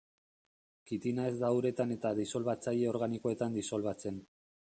Kitina ez da uretan eta disolbatzaile organikoetan disolbatzen.